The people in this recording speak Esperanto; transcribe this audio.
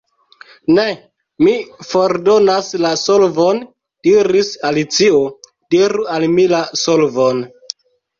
"Ne, mi fordonas la solvon," diris Alicio. "Diru al mi la solvon."